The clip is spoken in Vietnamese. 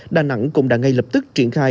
đà nẵng cũng đã ngay lập tức triển khai